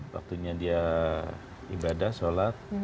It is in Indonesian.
waktunya dia ibadah sholat